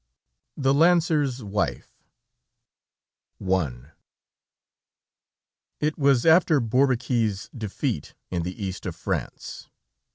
THE LANCER'S WIFE I It was after Bourbaki's defeat in the East of France.